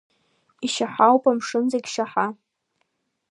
Ишьаҳауп, амшын зегь шьаҳа…